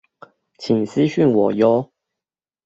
請私訊我唷